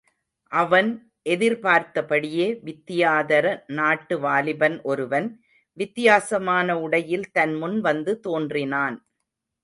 அவன் எதிர்பார்த்தபடியே வித்தியாதர நாட்டு வாலிபன் ஒருவன் வித்தியாசமான உடையில் தன் முன் வந்து தோன்றினான்.